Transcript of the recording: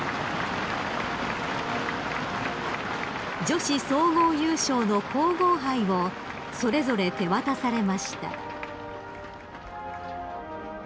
［女子総合優勝の皇后杯をそれぞれ手渡されました］